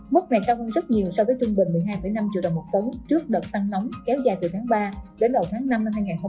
mức này cao hơn rất nhiều so với trung bình một mươi hai năm triệu đồng một tấn trước đợt tăng nóng kéo dài từ tháng ba đến đầu tháng năm năm hai nghìn hai mươi bốn